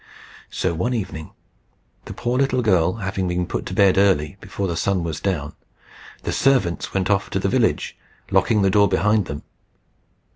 So one evening, the poor little girl having been put to bed early, before the sun was down, the servants went off to the village, locking the door behind them.